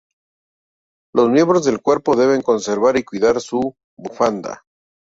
Los miembros del Cuerpo deben conservar y cuidar su bufanda.